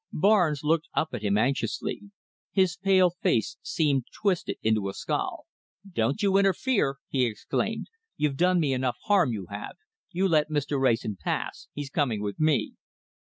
Barnes looked up at him anxiously. His pale face seemed twisted into a scowl. "Don't you interfere!" he exclaimed. "You've done me enough harm, you have. You let Mr. Wrayson pass. He's coming with me."